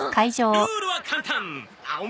ルールは簡単！